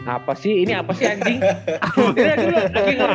apa sih ini apa sih anjing